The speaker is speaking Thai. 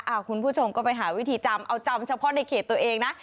คุณผู้ชมก็ไปหาวิธีจำเอาจำเฉพาะในเขตตัวเองนะ